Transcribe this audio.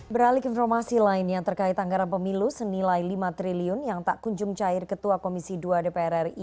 beralik informasi lainnya terkait anggaran pemilu senilai lima triliun yang tak kunjung cair ketua komisi dua dpr ri